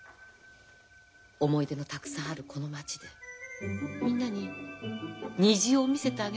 思い出のたくさんあるこの町でみんなに虹を見せてあげましょうよ。